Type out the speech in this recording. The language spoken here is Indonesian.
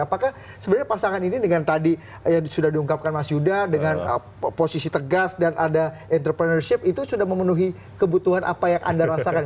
apakah sebenarnya pasangan ini dengan tadi yang sudah diungkapkan mas yuda dengan posisi tegas dan ada entrepreneurship itu sudah memenuhi kebutuhan apa yang anda rasakan